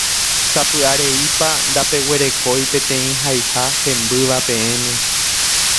Sapy'areípa ndapeguerekói peteĩ haiha hembýva peẽme.